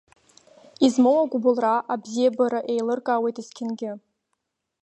Измоу агәыбылра, абзиабара, еилыркаауеит есқьынгьы.